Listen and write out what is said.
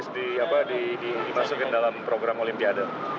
semenjak dulu tangis dimasukin dalam program olimpiade